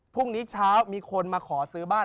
พรุ่งนี้เช้ามีคนมาขอซื้อบ้าน